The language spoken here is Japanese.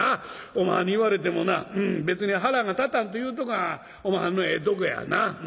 おまはんに言われてもな別に腹が立たんというのがおまはんのええとこやな。